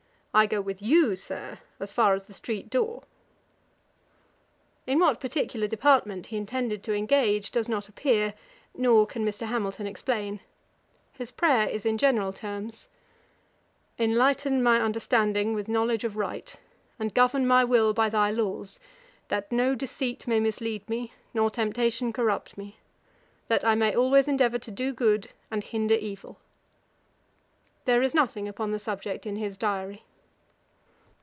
I go with you, Sir, as far as the street door.' In what particular department he intended to engage does not appear, nor can Mr. Hamilton explain. His prayer is in general terms: 'Enlighten my understanding with knowledge of right, and govern my will by thy laws, that no deceit may mislead me, nor temptation corrupt me; that I may always endeavour to do good, and hinder evil.' There is nothing upon the subject in his diary.